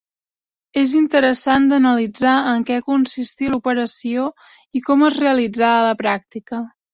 És interessant d'analitzar en què consistí l'operació i com es realitzà a la pràctica.